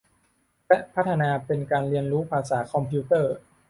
และพัฒนาเป็นการเรียนรู้ภาษาคอมพิวเตอร์